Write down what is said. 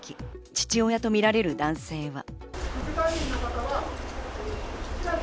父親とみられる男性は。